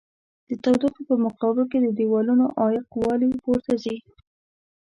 د تودوخې په مقابل کې د دېوالونو عایق والي پورته ځي.